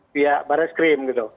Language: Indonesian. pihak barat skrim gitu